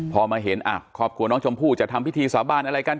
พอมาเห็นครอบครัวน้องชมพู่จะทำพิธีสาบานอะไรกัน